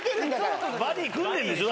バディ組んでるんでしょ？